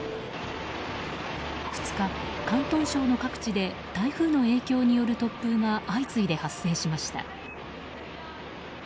２日、広東省の各地で台風の影響による突風が相次いで発生しました。